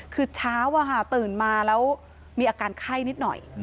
คือเช้าตื่นมาแล้วมีอาการไข้นิดหน่อย